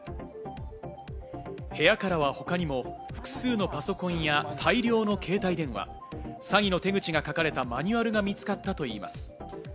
部屋からは他にも複数のパソコンや大量の携帯電話、詐欺の手口が書かれたマニュアルが見つかったといいます。